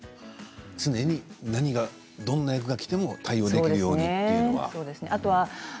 常にどんな役がきても対応できるようなというのは？